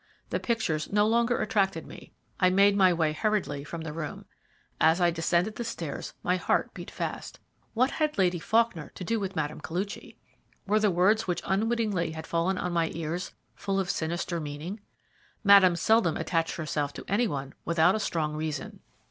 The pictures no longer attracted me. I made my way hurriedly from the room. As I descended the stairs my heart beat fast. What had Lady Faulkner to do with Mme. Koluchy? Were the words which unwittingly had fallen on my ears full of sinister meaning? Madame seldom attached herself to any one without a strong reason.